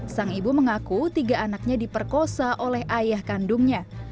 sang ibu mengaku tiga anaknya diperkosa oleh ayah kandungnya